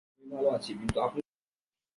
আমি ভালো আছি কিন্তু আপনি কে?